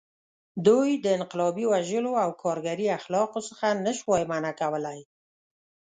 دوی د انقلابي وژلو او کارګري اخلاقو څخه نه شوای منع کولی.